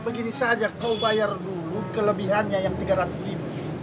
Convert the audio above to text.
begini saja kau bayar dulu kelebihannya yang rp tiga ratus ribu